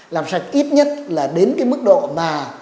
làm sạch ít nhất là đến cái mức độ mà